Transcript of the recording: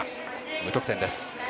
無得点です。